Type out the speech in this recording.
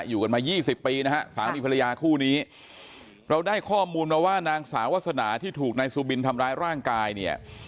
อยู่กันมา๒๐ปีนะฮะสามีภรรยาคู่นี้เราได้ข้อมูลมาว่านางสาววาสนาที่ถูกนายซูบินทำร้ายร่างกายเนี่ย